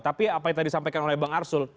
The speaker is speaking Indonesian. tapi apa yang tadi disampaikan oleh bang arsul